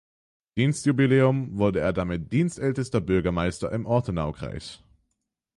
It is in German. Dienstjubiläum wurde er damit dienstältester Bürgermeister im Ortenaukreis.